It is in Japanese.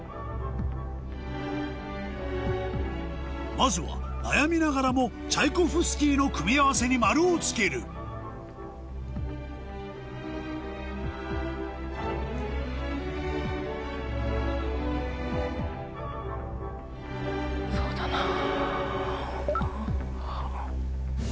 まずは悩みながらもチャイコフスキーの組み合わせに「○」をつけるそうだなぁ。